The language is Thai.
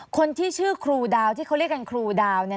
คนที่ชื่อครูดาวที่เขาเรียกกันครูดาวเนี่ย